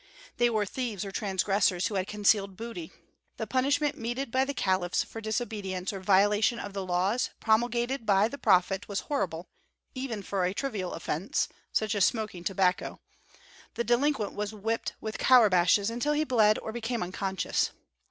They were thieves or transgressors who had concealed booty. The punishment meted by the caliphs for disobedience or violation of the laws promulgated by the prophet was horrible, and even for a trivial offense, such as smoking tobacco, the delinquent was whipped with courbashes until he bled or became unconscious.